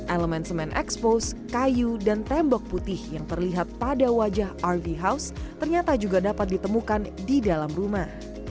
elemen semen expose kayu dan tembok putih yang terlihat pada wajah rv house ternyata juga dapat ditemukan di dalam rumah